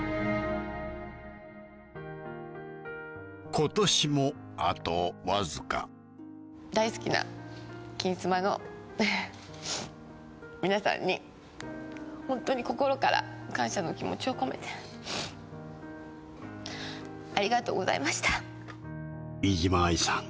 今年もあとわずか大好きな「金スマ」の皆さんにホントに心から感謝の気持ちを込めてありがとうございました飯島愛さん